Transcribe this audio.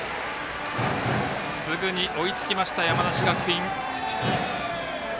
すぐに追いつきました山梨学院。